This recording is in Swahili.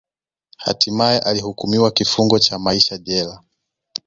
Hatimae alihukumiwa kifungo cha maisha jela